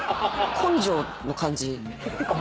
根性の感じ。